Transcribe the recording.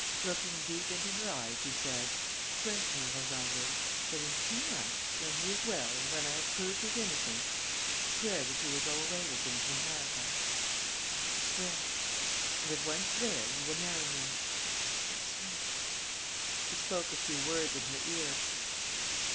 Looking deep into her eyes, he said: "Swear to me, Rose Andrée, that in two months, when he is well and when I have proved his innocence, swear that you will go away with him to America." "I swear." "And that, once there, you will marry him." "I swear." He spoke a few words in her ear.